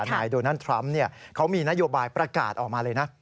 นายโดนัลดทรัมป์เขามีนโยบายประกาศออกมาเลยนะ